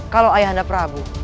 kalau ayahanda prabu